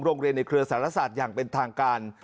โรงเรียนในเครือสารศาสตร์อย่างเป็นทางการ